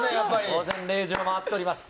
午前０時を回っております。